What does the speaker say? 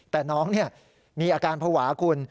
แต่น้องมีอาการภาวะคุณ